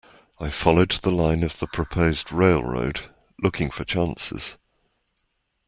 I followed the line of the proposed railroad, looking for chances.